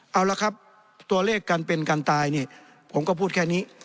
เอาละครับตัวเลขการเป็นการตายเนี่ยผมก็พูดแค่นี้